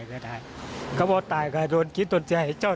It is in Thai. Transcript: เป็นใครเป็นใครแหละครับ